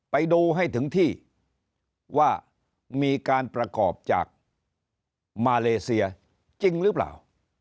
ไปดูให้ถึงที่ว่ามีการประกอบจากมาเลเซียจริงหรือเปล่า